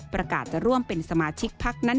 ประกาศจะร่วมเป็นสมาชิกพักนั้น